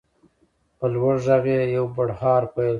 په لوړ غږ یې یو بړهار پیل کړ.